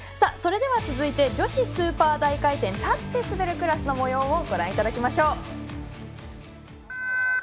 それでは続いて女子スーパー大回転立って滑るクラスのもようをご覧いただきましょう。